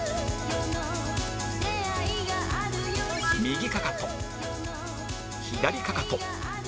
右かかと左かかと